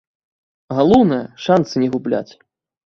Галоўнае, шанцы не губляць.